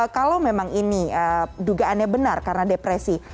kalau memang ini dugaannya benar karena depresi